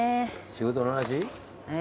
仕事の話？